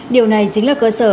điều này chính là cơ sở